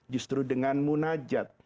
justru dengan munajat